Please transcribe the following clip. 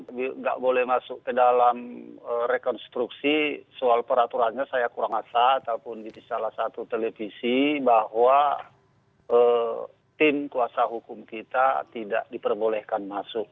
tidak boleh masuk ke dalam rekonstruksi soal peraturannya saya kurang asah ataupun di salah satu televisi bahwa tim kuasa hukum kita tidak diperbolehkan masuk